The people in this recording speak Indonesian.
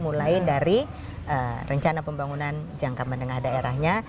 mulai dari rencana pembangunan jangka menengah daerahnya